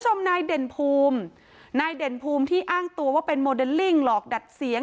ชมนายเด่นภูมินายเด่นภูมิที่อ้างตัวว่าเป็นโมเดลลิ่งหลอกดัดเสียง